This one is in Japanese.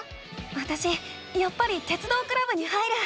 わたしやっぱり鉄道クラブに入る。